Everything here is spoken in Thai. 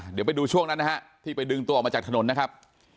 เดี๋ยวไปดูช่วงนั้นนะฮะที่ไปดึงตัวออกมาจากถนนนะครับ